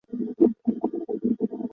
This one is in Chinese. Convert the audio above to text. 其女为道光帝元配孝穆成皇后。